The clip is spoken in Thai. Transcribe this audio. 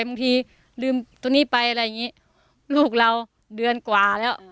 บางทีลืมตัวนี้ไปอะไรอย่างนี้ลูกเราเดือนกว่าแล้ว